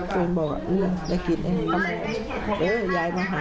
กลุ่มบอกได้กินไงเออย้ายมาหา